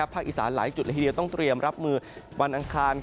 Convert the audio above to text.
อีสานหลายจุดละทีเดียวต้องเตรียมรับมือวันอังคาร